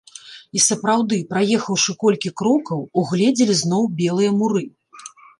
І сапраўды, праехаўшы колькі крокаў, угледзелі зноў белыя муры.